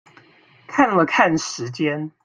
看了看時間